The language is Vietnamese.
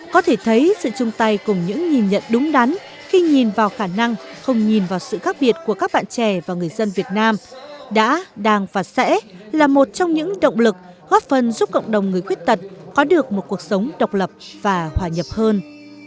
có thể thấy sự chung tay cùng những nhìn nhận đúng đắn khi nhìn vào khả năng không nhìn vào sự khác biệt của các bạn trẻ và người dân việt nam đã đang và sẽ là một trong những động lực góp phần giúp cộng đồng người khuyết tật có được một cuộc sống độc lập và hòa nhập hơn